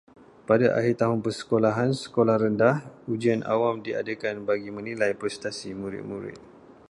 Pada akhir tahun persekolahan sekolah rendah, ujian awam diadakan bagi menilai prestasi murid-murid.